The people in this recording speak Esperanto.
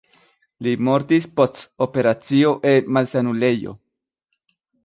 Li mortis post operacio en malsanulejo.